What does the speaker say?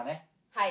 はい。